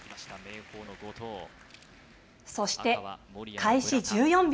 そして開始１４秒。